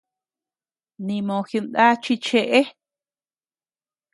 Nimo jidna chi cheʼe.